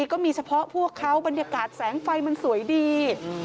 ก็มีเฉพาะพวกเขาบรรยากาศแสงไฟมันสวยดี